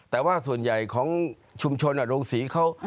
แต่ว่าส่วนใหญ่ของชุมชนโรงศรีเขา